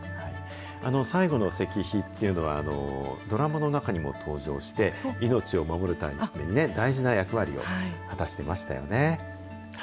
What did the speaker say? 最後の石碑っていうのは、ドラマの中にも登場して、命を守るために大事な役割を果たしてましたよね。